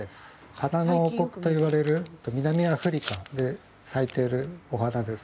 花の王国といわれる南アフリカで咲いているお花です。